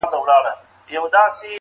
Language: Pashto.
د دوی دغه نظر دليل ته اړتيا لري.